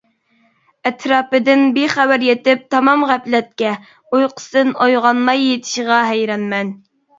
ئەتراپىدىن بىخەۋەر پېتىپ تامام غەپلەتكە، ئۇيقۇسىدىن ئويغانماي يېتىشىغا ھەيرانمەن.